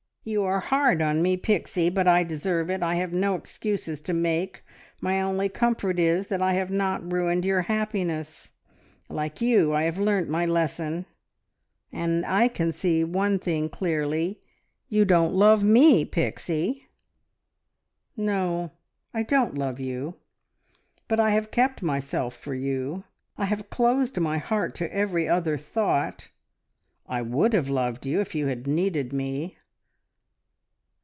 "You are hard on me, Pixie, but I deserve it. I have no excuses to make. My only comfort is that I have not ruined your happiness. Like you, I have learnt my lesson, and I can see one thing clearly: You don't love me, Pixie!" "No, I don't love you, but I have kept myself for you. I have closed my heart to every other thought. I would have loved you if you had needed me.